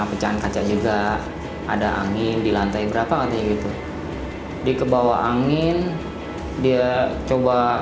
pecahan kaca juga ada angin di lantai berapa katanya gitu di kebawah angin dia coba buat ngeberhentiin